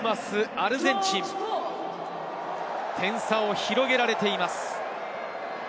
ロス・プーマス、アルゼンチン、点差を広げられています。